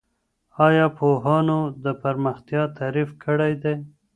ایا پوهانو د پرمختیا تعریف کړی دی؟